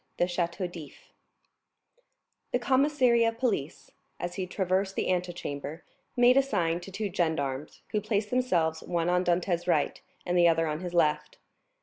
The Château d'If The commissary of police, as he traversed the antechamber, made a sign to two gendarmes, who placed themselves one on Dantès' right and the other on his left.